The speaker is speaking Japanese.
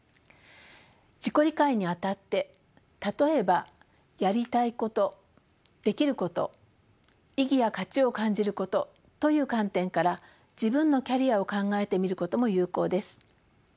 自己理解にあたって例えばやりたいことできること意義や価値を感じることという観点から自分のキャリアを考えてみることも有効です。